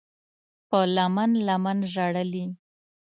په لمن، لمن ژړلي